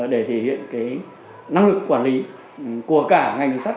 để thể hiện cái năng lực quản lý của cả ngành ngân sách